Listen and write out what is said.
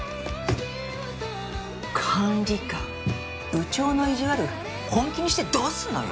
管理官部長の意地悪本気にしてどうするのよ！